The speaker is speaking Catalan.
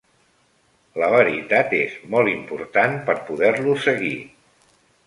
La veritat és molt important per poder-lo seguir.